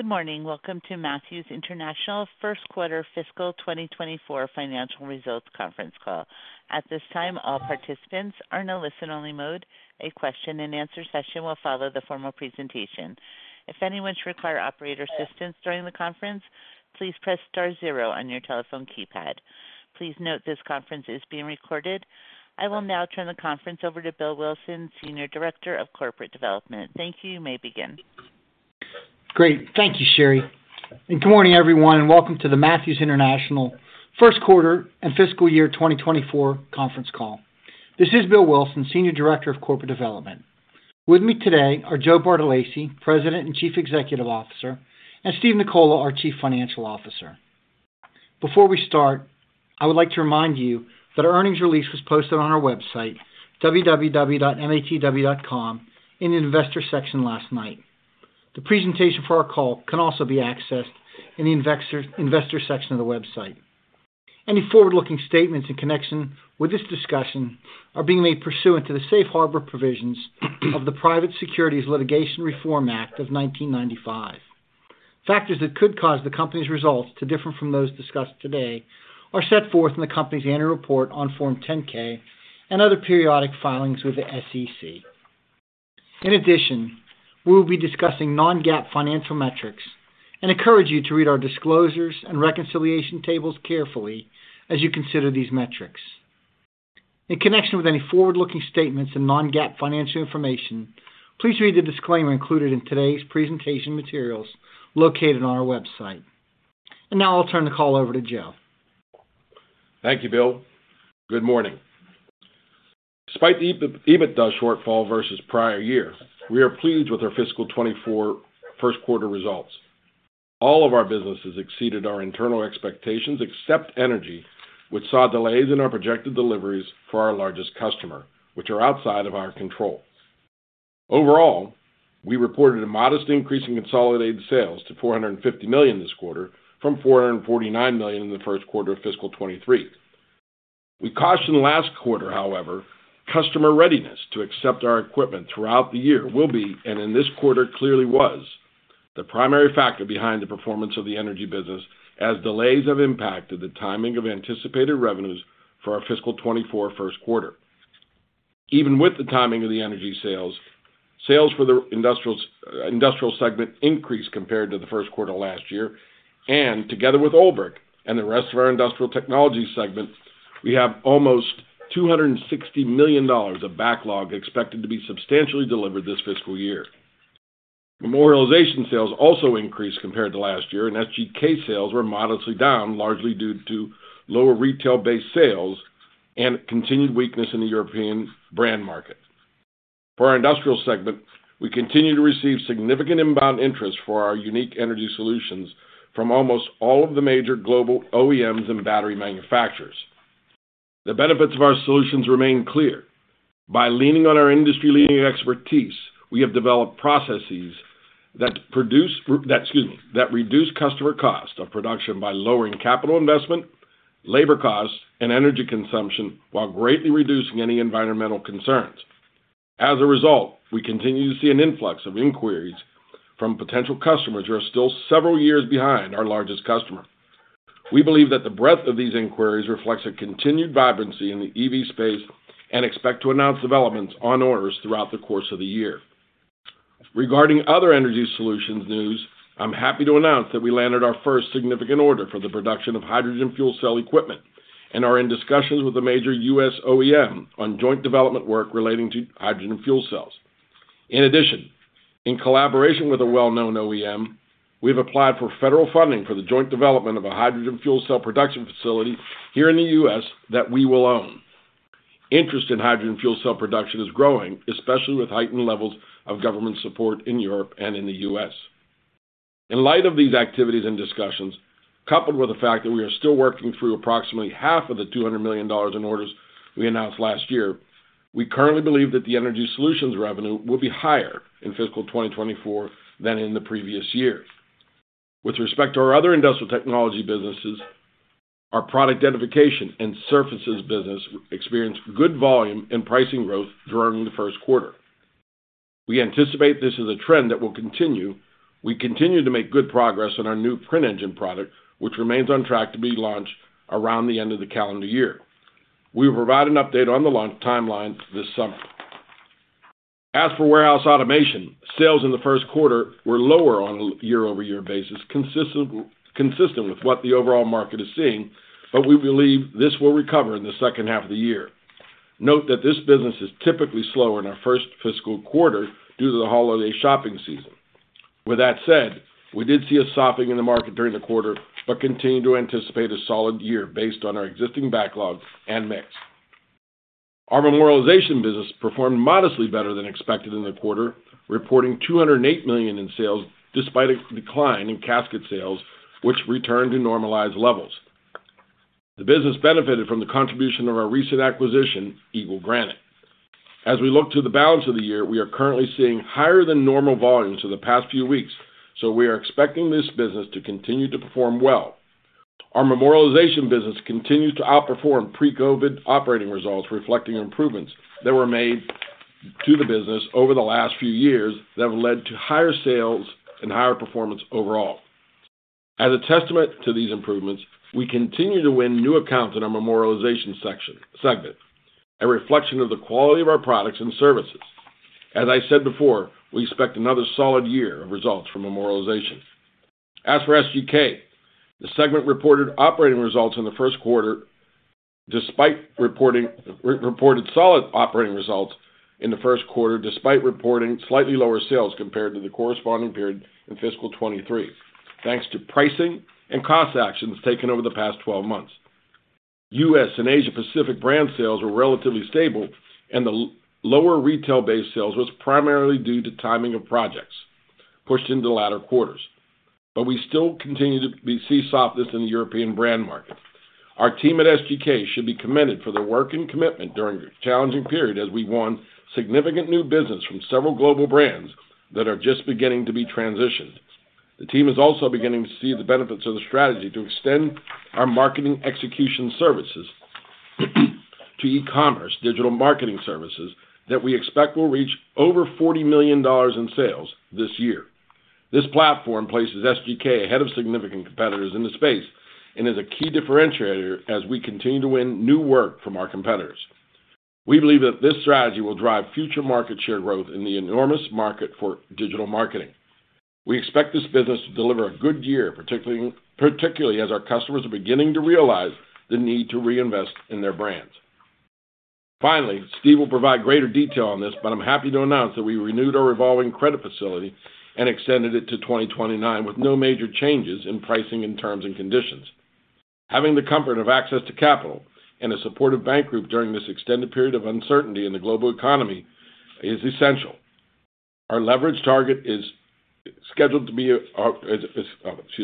Good morning. Welcome to Matthews International First Quarter Fiscal 2024 Financial Results Conference Call. At this time, all participants are in a listen-only mode. A question-and-answer session will follow the formal presentation. If anyone should require operator assistance during the conference, please press star zero on your telephone keypad. Please note this conference is being recorded. I will now turn the conference over to Bill Wilson, Senior Director of Corporate Development. Thank you. You may begin. Great. Thank you, Sherry, and good morning everyone, and welcome to the Matthews International First Quarter and Fiscal Year 2024 conference call. This is Bill Wilson, Senior Director of Corporate Development. With me today are Joe Bartolacci, President and Chief Executive Officer, and Steve Nicola, our Chief Financial Officer. Before we start, I would like to remind you that our earnings release was posted on our website, www.matw.com, in the investor section last night. The presentation for our call can also be accessed in the investor section of the website. Any forward-looking statements in connection with this discussion are being made pursuant to the Safe Harbor provisions of the Private Securities Litigation Reform Act of 1995. Factors that could cause the company's results to differ from those discussed today are set forth in the company's annual report on Form 10-K and other periodic filings with the SEC. In addition, we will be discussing non-GAAP financial metrics and encourage you to read our disclosures and reconciliation tables carefully as you consider these metrics. In connection with any forward-looking statements and non-GAAP financial information, please read the disclaimer included in today's presentation materials located on our website. Now I'll turn the call over to Joe. Thank you, Bill. Good morning. Despite the EBITDA shortfall versus prior year, we are pleased with our fiscal 2024 first quarter results. All of our businesses exceeded our internal expectations, except energy, which saw delays in our projected deliveries for our largest customer, which are outside of our control. Overall, we reported a modest increase in consolidated sales to $450 million this quarter from $449 million in the first quarter of fiscal 2023. We cautioned last quarter, however, customer readiness to accept our equipment throughout the year will be, and in this quarter clearly was, the primary factor behind the performance of the energy business, as delays have impacted the timing of anticipated revenues for our fiscal 2024 first quarter. Even with the timing of the energy sales, sales for the Industrial segment increased compared to the first quarter last year, and together with Olbrich and the rest of our industrial technology segment, we have almost $260 million of backlog expected to be substantially delivered this fiscal year. Memorialization sales also increased compared to last year, and SGK sales were modestly down, largely due to lower retail-based sales and continued weakness in the European brand market. For our Industrial segment, we continue to receive significant inbound interest for our unique Energy Solutions from almost all of the major global OEMs and battery manufacturers. The benefits of our solutions remain clear. By leaning on our industry-leading expertise, we have developed processes that, excuse me, reduce customer cost of production by lowering capital investment, labor costs, and energy consumption, while greatly reducing any environmental concerns. As a result, we continue to see an influx of inquiries from potential customers who are still several years behind our largest customer. We believe that the breadth of these inquiries reflects a continued vibrancy in the EV space and expect to announce developments on orders throughout the course of the year. Regarding other energy solutions news, I'm happy to announce that we landed our first significant order for the production of hydrogen fuel cell equipment and are in discussions with a major U.S. OEM on joint development work relating to hydrogen fuel cells. In addition, in collaboration with a well-known OEM, we've applied for federal funding for the joint development of a hydrogen fuel cell production facility here in the U.S. that we will own. Interest in hydrogen fuel cell production is growing, especially with heightened levels of government support in Europe and in the U.S. In light of these activities and discussions, coupled with the fact that we are still working through approximately half of the $200 million in orders we announced last year, we currently believe that the energy solutions revenue will be higher in fiscal 2024 than in the previous year. With respect to our other industrial technology businesses, our Product Identification and Surfaces business experienced good volume and pricing growth during the first quarter. We anticipate this is a trend that will continue. We continue to make good progress on our new print engine product, which remains on track to be launched around the end of the calendar year. We will provide an update on the launch timeline this summer. As for Warehouse Automation, sales in the first quarter were lower on a year-over-year basis, consistent with what the overall market is seeing, but we believe this will recover in the second half of the year. Note that this business is typically slower in our first fiscal quarter due to the holiday shopping season. With that said, we did see a softening in the market during the quarter, but continue to anticipate a solid year based on our existing backlog and mix. Our Memorialization business performed modestly better than expected in the quarter, reporting $208 million in sales despite a decline in casket sales, which returned to normalized levels. The business benefited from the contribution of our recent acquisition, Eagle Granite. As we look to the balance of the year, we are currently seeing higher-than-normal volumes for the past few weeks, so we are expecting this business to continue to perform well. Our Memorialization business continues to outperform pre-COVID operating results, reflecting improvements that were made to the business over the last few years that have led to higher sales and higher performance overall. As a testament to these improvements, we continue to win new accounts in our Memorialization section, segment, a reflection of the quality of our products and services. As I said before, we expect another solid year of results from memorialization. As for SGK, the segment reported solid operating results in the first quarter, despite reporting slightly lower sales compared to the corresponding period in fiscal 2023, thanks to pricing and cost actions taken over the past 12 months. U.S. and Asia Pacific brand sales were relatively stable, and the lower retail-based sales was primarily due to timing of projects pushed into the latter quarters. But we still continue to see softness in the European brand market. Our team at SGK should be commended for their work and commitment during this challenging period, as we won significant new business from several global brands that are just beginning to be transitioned. The team is also beginning to see the benefits of the strategy to extend our marketing execution services, to e-commerce digital marketing services that we expect will reach over $40 million in sales this year. This platform places SGK ahead of significant competitors in the space and is a key differentiator as we continue to win new work from our competitors. We believe that this strategy will drive future market share growth in the enormous market for digital marketing. We expect this business to deliver a good year, particularly as our customers are beginning to realize the need to reinvest in their brands. Finally, Steve will provide greater detail on this, but I'm happy to announce that we renewed our revolving credit facility and extended it to 2029, with no major changes in pricing and terms and conditions. Having the comfort of access to capital and a supportive bank group during this extended period of uncertainty in the global economy is essential. Our leverage target is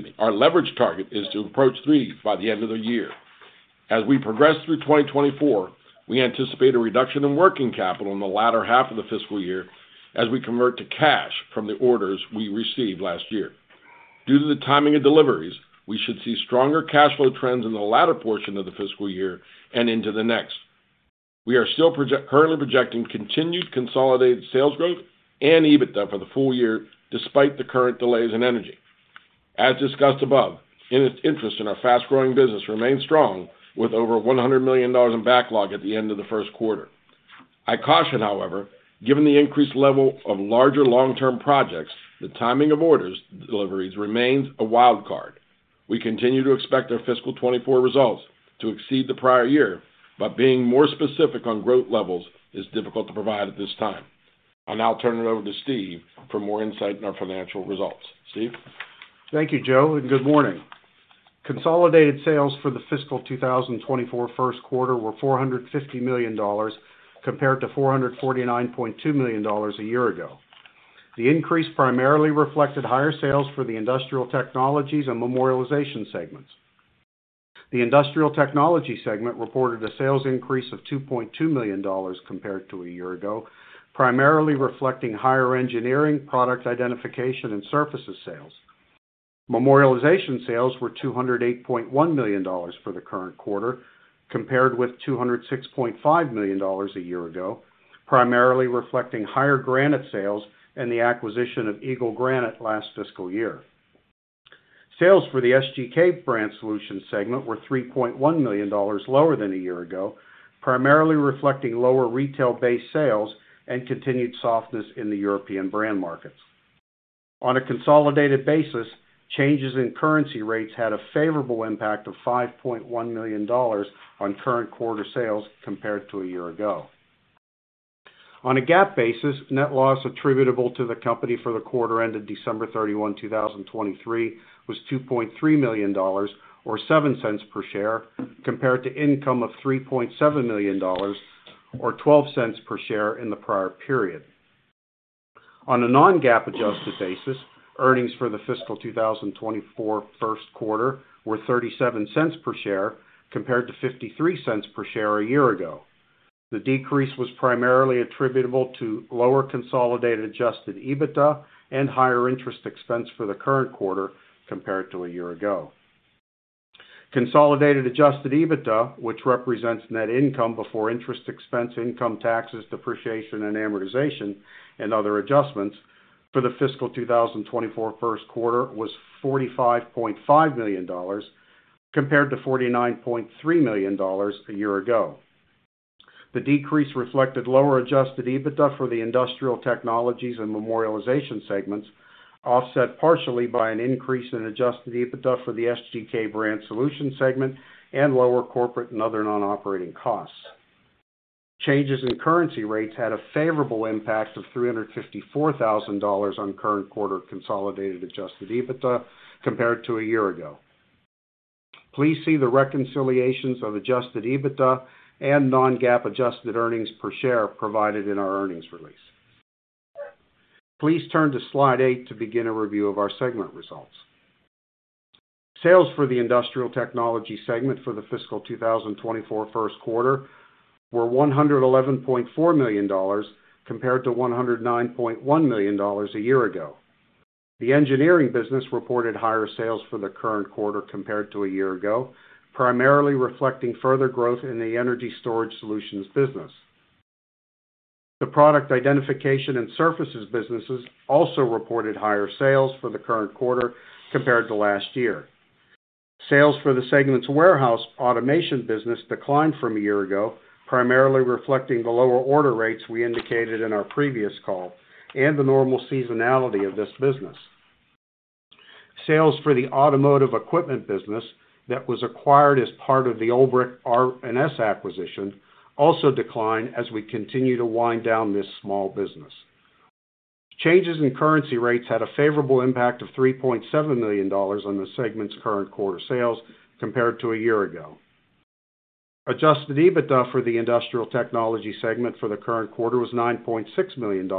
to approach three by the end of the year. As we progress through 2024, we anticipate a reduction in working capital in the latter half of the fiscal year as we convert to cash from the orders we received last year. Due to the timing of deliveries, we should see stronger cash flow trends in the latter portion of the fiscal year and into the next. We are still currently projecting continued consolidated sales growth and EBITDA for the full year, despite the current delays in energy. As discussed above, interest in our fast-growing business remains strong, with over $100 million in backlog at the end of the first quarter. I caution, however, given the increased level of larger long-term projects, the timing of orders deliveries remains a wild card. We continue to expect our fiscal 2024 results to exceed the prior year, but being more specific on growth levels is difficult to provide at this time. I'll now turn it over to Steve for more insight on our financial results. Steve? Thank you, Joe, and good morning. Consolidated sales for the fiscal 2024 first quarter were $450 million, compared to $449.2 million a year ago. The increase primarily reflected higher sales for the Industrial technologies and Memorialization segments. The Industrial technologies segment reported a sales increase of $2.2 million compared to a year ago, primarily reflecting higher engineering, Product Identification, and Surfaces sales. Memorialization sales were $208.1 million for the current quarter, compared with $206.5 million a year ago, primarily reflecting higher granite sales and the acquisition of Eagle Granite last fiscal year. Sales for the SGK Brand Solutions segment were $3.1 million lower than a year ago, primarily reflecting lower retail-based sales and continued softness in the European brand markets. On a consolidated basis, changes in currency rates had a favorable impact of $5.1 million on current quarter sales compared to a year ago. On a GAAP basis, net loss attributable to the company for the quarter ended December 31, 2023, was $2.3 million, or 7 cents per share, compared to income of $3.7 million, or 12 cents per share in the prior period. On a non-GAAP-adjusted basis, earnings for the fiscal 2024 first quarter were 37 cents per share, compared to 53 cents per share a year ago. The decrease was primarily attributable to lower consolidated Adjusted EBITDA and higher interest expense for the current quarter compared to a year ago. Consolidated Adjusted EBITDA, which represents net income before interest expense, income taxes, depreciation and amortization, and other adjustments for the fiscal 2024 first quarter, was $45.5 million, compared to $49.3 million a year ago. The decrease reflected lower Adjusted EBITDA for the IIndustrial technologies and Memorialization segments, offset partially by an increase in Adjusted EBITDA for the SGK Brand Solutions segment and lower corporate and other non-operating costs. Changes in currency rates had a favorable impact of $354,000 on current quarter consolidated Adjusted EBITDA compared to a year ago. Please see the reconciliations of Adjusted EBITDA and non-GAAP adjusted earnings per share provided in our earnings release. Please turn to slide 8 to begin a review of our segment results. Sales for the Industrial technologies segment for the fiscal 2024 first quarter were $111.4 million, compared to $109.1 million a year ago. The Engineering business reported higher sales for the current quarter compared to a year ago, primarily reflecting further growth in the Energy Storage Solutions business. The Product Identification and Surfaces businesses also reported higher sales for the current quarter compared to last year. Sales for the segment's Warehouse Automation business declined from a year ago, primarily reflecting the lower order rates we indicated in our previous call and the normal seasonality of this business. Sales for the automotive equipment business that was acquired as part of the Olbrich R+S acquisition also declined as we continue to wind down this small business. Changes in currency rates had a favorable impact of $3.7 million on the segment's current quarter sales compared to a year ago. Adjusted EBITDA for the Industrial technology segment for the current quarter was $9.6 million,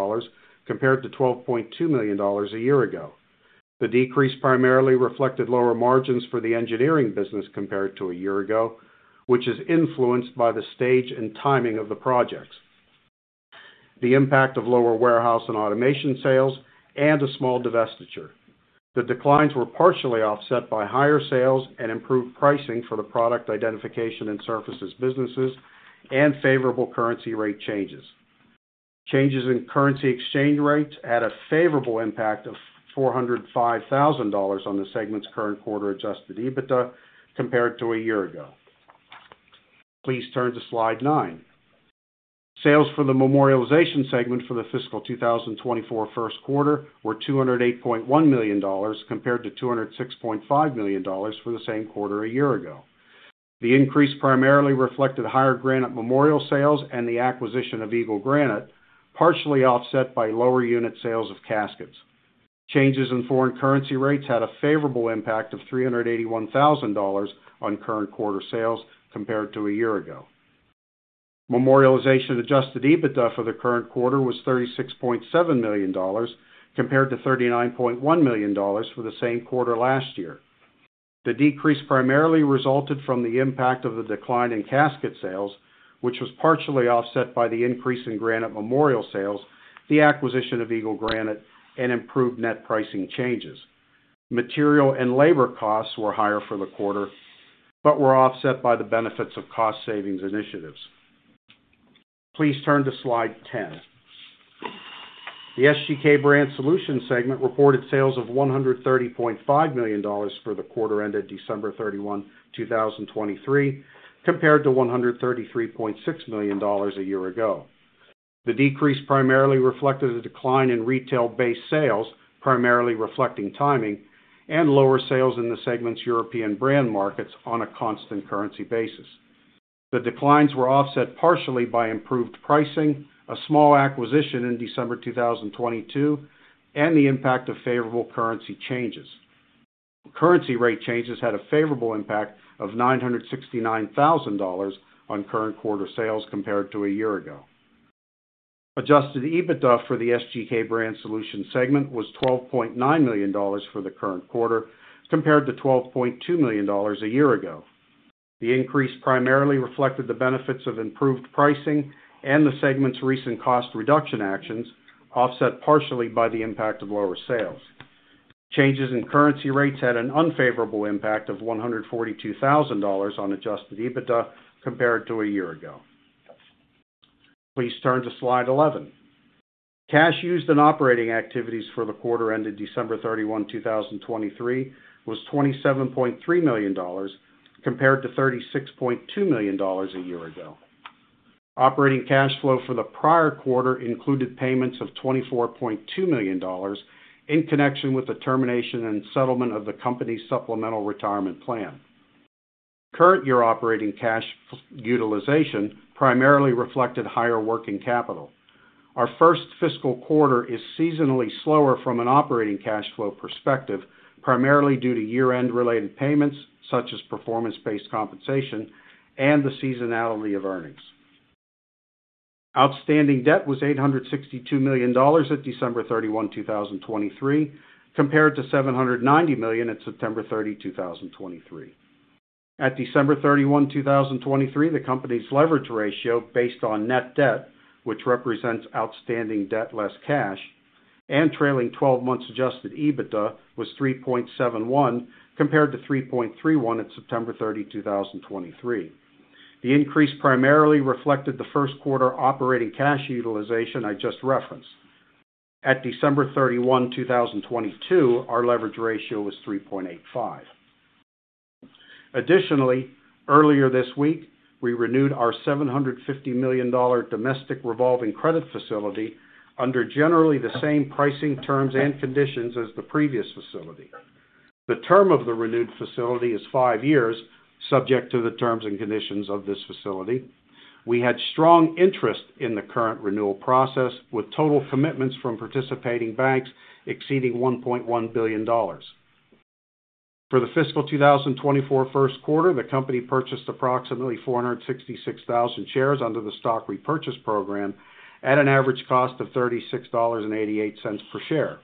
compared to $12.2 million a year ago. The decrease primarily reflected lower margins for the Engineering business compared to a year ago, which is influenced by the stage and timing of the projects, the impact of lower warehouse and automation sales, and a small divestiture. The declines were partially offset by higher sales and improved pricing for the Product Identification and Surfaces businesses and favorable currency rate changes. Changes in currency exchange rates had a favorable impact of $405,000 on the segment's current quarter Adjusted EBITDA compared to a year ago. Please turn to Slide nine. Sales for the Memorialization segment for the fiscal 2024 first quarter were $208.1 million, compared to $206.5 million for the same quarter a year ago. The increase primarily reflected higher granite memorial sales and the acquisition of Eagle Granite, partially offset by lower unit sales of caskets. Changes in foreign currency rates had a favorable impact of $381,000 on current quarter sales compared to a year ago. Memorialization Adjusted EBITDA for the current quarter was $36.7 million, compared to $39.1 million for the same quarter last year. The decrease primarily resulted from the impact of the decline in casket sales, which was partially offset by the increase in granite memorial sales, the acquisition of Eagle Granite, and improved net pricing changes. Material and labor costs were higher for the quarter, but were offset by the benefits of cost savings initiatives. Please turn to Slide 10. The SGK Brand Solutions segment reported sales of $130.5 million for the quarter ended December 31, 2023, compared to $133.6 million a year ago. The decrease primarily reflected a decline in retail-based sales, primarily reflecting timing, and lower sales in the segment's European brand markets on a constant currency basis. The declines were offset partially by improved pricing, a small acquisition in December 2022, and the impact of favorable currency changes. Currency rate changes had a favorable impact of $969,000 on current quarter sales compared to a year ago. Adjusted EBITDA for the SGK Brand Solutions segment was $12.9 million for the current quarter, compared to $12.2 million a year ago. The increase primarily reflected the benefits of improved pricing and the segment's recent cost reduction actions, offset partially by the impact of lower sales. Changes in currency rates had an unfavorable impact of $142,000 on adjusted EBITDA compared to a year ago. Please turn to Slide 11. Cash used in operating activities for the quarter ended December 31, 2023, was $27.3 million, compared to $36.2 million a year ago. Operating cash flow for the prior quarter included payments of $24.2 million in connection with the termination and settlement of the company's supplemental retirement plan. Current year operating cash utilization primarily reflected higher working capital. Our first fiscal quarter is seasonally slower from an operating cash flow perspective, primarily due to year-end related payments, such as performance-based compensation and the seasonality of earnings. Outstanding debt was $862 million at December 31, 2023, compared to $790 million at September 30, 2023. At December 31, 2023, the company's leverage ratio, based on net debt, which represents outstanding debt less cash, and trailing twelve months Adjusted EBITDA, was 3.71, compared to 3.31 at September 30, 2023. The increase primarily reflected the first quarter operating cash utilization I just referenced. At December 31, 2022, our leverage ratio was 3.85. Additionally, earlier this week, we renewed our $750 million domestic revolving credit facility under generally the same pricing terms and conditions as the previous facility. The term of the renewed facility is 5 years, subject to the terms and conditions of this facility. We had strong interest in the current renewal process, with total commitments from participating banks exceeding $1.1 billion. For the fiscal 2024 first quarter, the company purchased approximately 466,000 shares under the stock repurchase program at an average cost of $36.88 per share.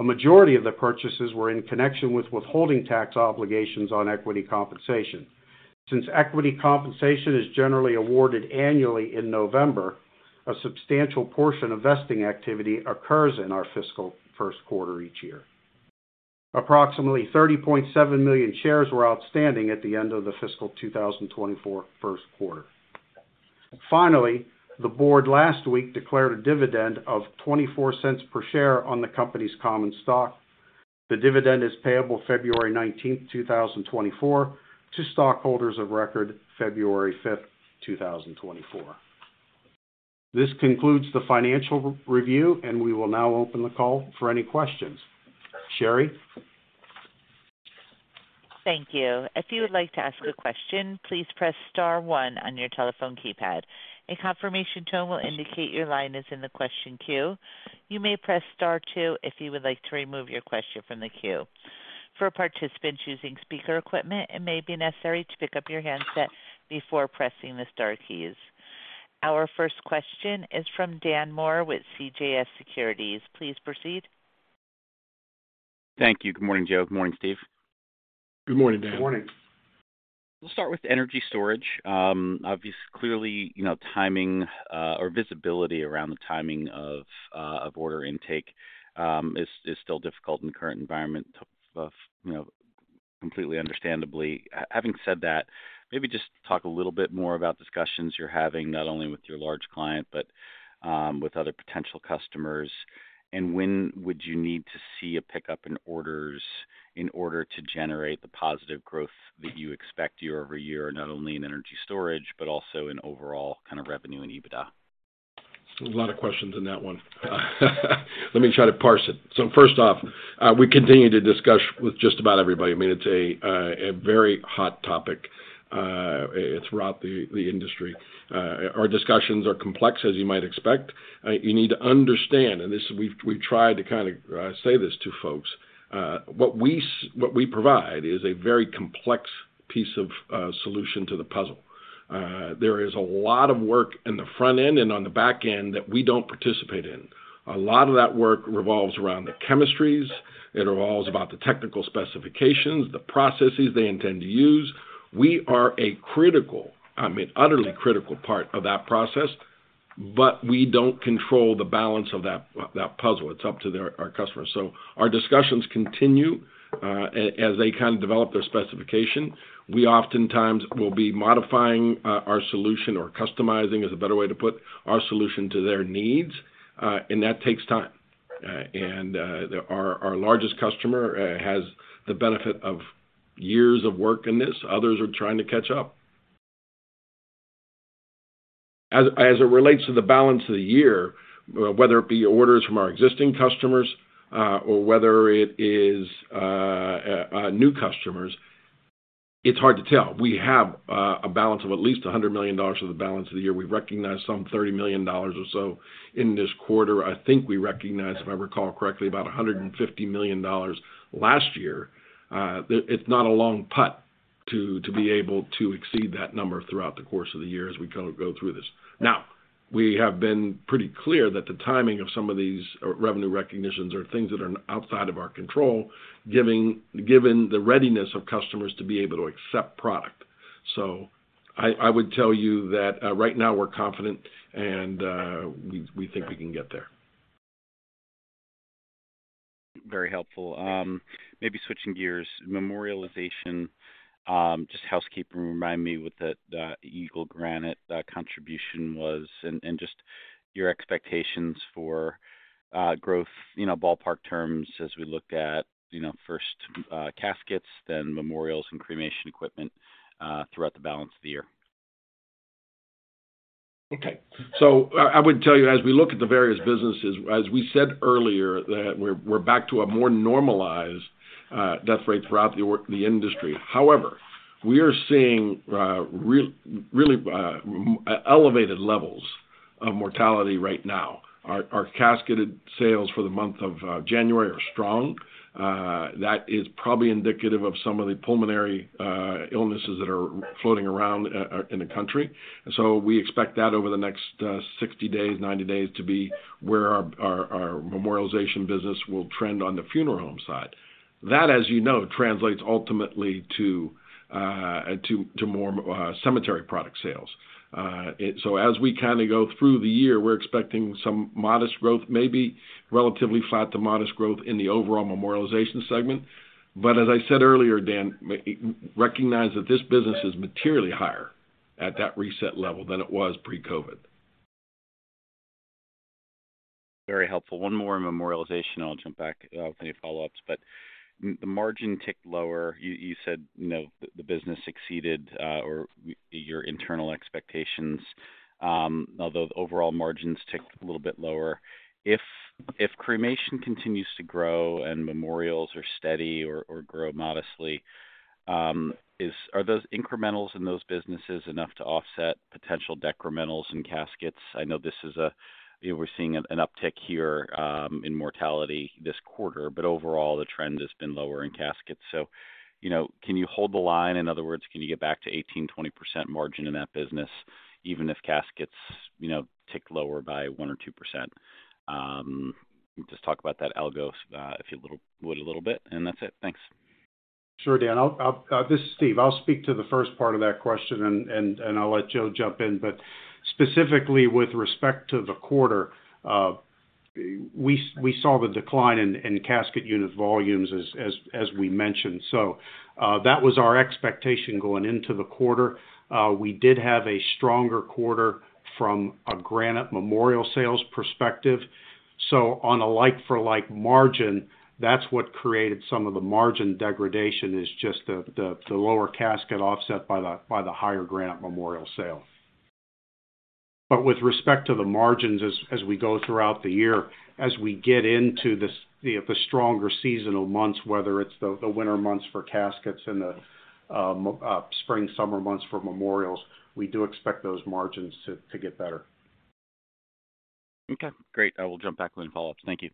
A majority of the purchases were in connection with withholding tax obligations on equity compensation. Since equity compensation is generally awarded annually in November, a substantial portion of vesting activity occurs in our fiscal first quarter each year. Approximately 30.7 million shares were outstanding at the end of the fiscal 2024 first quarter. Finally, the board last week declared a dividend of $0.24 per share on the company's common stock. The dividend is payable February 19, 2024, to stockholders of record February 5, 2024. This concludes the financial review, and we will now open the call for any questions. Sherry? Thank you. If you would like to ask a question, please press star one on your telephone keypad. A confirmation tone will indicate your line is in the question queue. You may press Star two if you would like to remove your question from the queue. For participants using speaker equipment, it may be necessary to pick up your handset before pressing the star keys. Our first question is from Dan Moore with CJS Securities. Please proceed. Thank you. Good morning, Joe. Good morning, Steve. Good morning, Dan. Good morning. We'll start with energy storage. Obviously, clearly, you know, timing or visibility around the timing of order intake is still difficult in the current environment, you know, completely understandably. Having said that, maybe just talk a little bit more about discussions you're having, not only with your large client, but with other potential customers. And when would you need to see a pickup in orders in order to generate the positive growth that you expect year over year, not only in energy storage, but also in overall kind of revenue and EBITDA? A lot of questions in that one. Let me try to parse it. So first off, we continue to discuss with just about everybody. I mean, it's a very hot topic throughout the industry. Our discussions are complex, as you might expect. You need to understand, and this, we've tried to kind of say this to folks, what we provide is a very complex piece of solution to the puzzle. There is a lot of work in the front end and on the back end that we don't participate in. A lot of that work revolves around the chemistries. It revolves about the technical specifications, the processes they intend to use. We are a critical, I mean, utterly critical part of that process, but we don't control the balance of that puzzle. It's up to our customers. So our discussions continue, as they kind of develop their specification. We oftentimes will be modifying our solution, or customizing is a better way to put our solution to their needs, and that takes time. Our largest customer has the benefit of years of work in this. Others are trying to catch up. As it relates to the balance of the year, whether it be orders from our existing customers or whether it is new customers, it's hard to tell. We have a balance of at least $100 million for the balance of the year. We recognized some $30 million or so in this quarter. I think we recognized, if I recall correctly, about $150 million last year. It's not a long putt to be able to exceed that number throughout the course of the year as we go through this. Now, we have been pretty clear that the timing of some of these revenue recognitions are things that are outside of our control, given the readiness of customers to be able to accept product. So I would tell you that right now we're confident, and we think we can get there. Very helpful. Maybe switching gears. Memorialization, just housekeeping, remind me what the Eagle Granite contribution was and just your expectations for growth, you know, ballpark terms as we look at, you know, first, caskets, then memorials and cremation equipment throughout the balance of the year. Okay, so I would tell you, as we look at the various businesses, as we said earlier, that we're back to a more normalized death rate throughout the industry. However, we are seeing really elevated levels of mortality right now. Our casketed sales for the month of January are strong. That is probably indicative of some of the pulmonary illnesses that are floating around in the country. So we expect that over the next 60 days, 90 days, to be where our Memorialization business will trend on the funeral home side. That, as you know, translates ultimately to more cemetery product sales. So as we kind of go through the year, we're expecting some modest growth, maybe relatively flat to modest growth in the overall Memorialization segment. But as I said earlier, Dan, recognize that this business is materially higher at that reset level than it was pre-COVID. Very helpful. One more on memorialization. I'll jump back, any follow-ups, but the margin ticked lower. You said, you know, the business exceeded or your internal expectations, although the overall margins ticked a little bit lower. If cremation continues to grow and memorials are steady or grow modestly, are those incrementals in those businesses enough to offset potential decrementals in caskets? I know this is a... We're seeing an uptick here in mortality this quarter, but overall, the trend has been lower in caskets. So, you know, can you hold the line? In other words, can you get back to 18%-20% margin in that business, even if caskets, you know, tick lower by 1% or 2%? Just talk about that. I'll go if you would a little bit, and that's it. Thanks.... Sure, Dan. This is Steve. I'll speak to the first part of that question, and I'll let Joe jump in. But specifically with respect to the quarter, we saw the decline in casket unit volumes as we mentioned. So, that was our expectation going into the quarter. We did have a stronger quarter from a granite memorial sales perspective. So on a like-for-like margin, that's what created some of the margin degradation is just the lower casket offset by the higher granite memorial sale. But with respect to the margins, as we go throughout the year, as we get into the stronger seasonal months, whether it's the winter months for caskets and the spring, summer months for memorials, we do expect those margins to get better. Okay, great. I will jump back with any follow-ups. Thank you.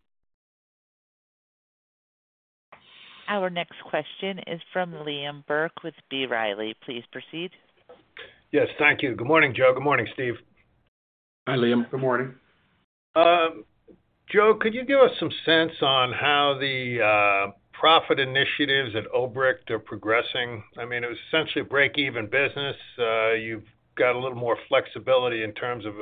Our next question is from Liam Burke with B. Riley. Please proceed. Yes, thank you. Good morning, Joe. Good morning, Steve. Hi, Liam. Good morning. Joe, could you give us some sense on how the profit initiatives at Olbrich are progressing? I mean, it was essentially a break-even business. You've got a little more flexibility in terms of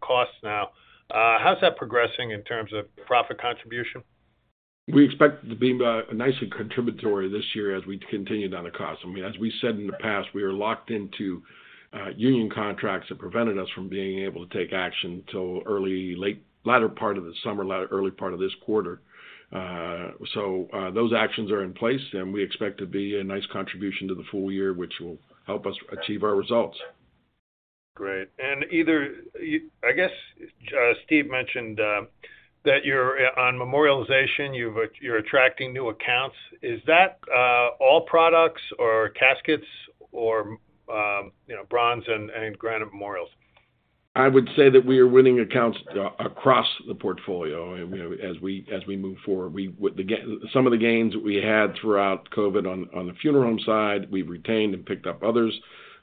costs now. How's that progressing in terms of profit contribution? We expect it to be nicely contributory this year as we continue down the cost. I mean, as we said in the past, we are locked into union contracts that prevented us from being able to take action till the latter part of the summer, early part of this quarter. So, those actions are in place, and we expect to be a nice contribution to the full year, which will help us achieve our results. Great. And either way, I guess, Steve mentioned that you're on memorialization, you're attracting new accounts. Is that all products or caskets or, you know, bronze and granite memorials? I would say that we are winning accounts across the portfolio. You know, as we move forward, some of the gains we had throughout COVID on the funeral home side, we've retained and picked up others.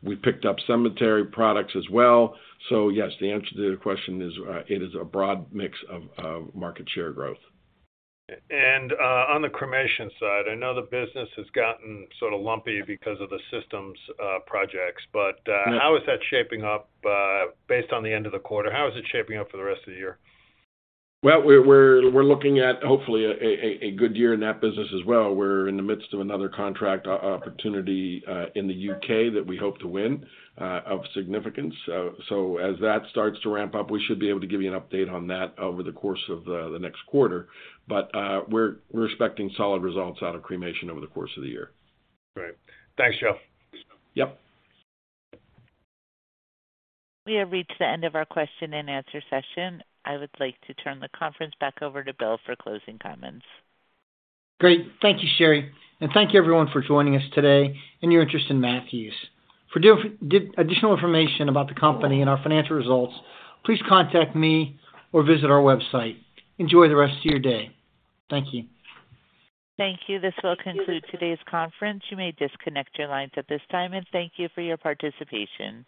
We've picked up cemetery products as well. So yes, the answer to the question is, it is a broad mix of market share growth. On the cremation side, I know the business has gotten sort of lumpy because of the systems projects. Yes. But, how is that shaping up, based on the end of the quarter? How is it shaping up for the rest of the year? Well, we're looking at hopefully a good year in that business as well. We're in the midst of another contract opportunity in the U.K. that we hope to win of significance. So as that starts to ramp up, we should be able to give you an update on that over the course of the next quarter. But we're expecting solid results out of cremation over the course of the year. Great. Thanks, Joe. Yep. We have reached the end of our question-and-answer session. I would like to turn the conference back over to Bill for closing comments. Great. Thank you, Sherry, and thank you, everyone, for joining us today and your interest in Matthews. For detailed additional information about the company and our financial results, please contact me or visit our website. Enjoy the rest of your day. Thank you. Thank you. This will conclude today's conference. You may disconnect your lines at this time, and thank you for your participation.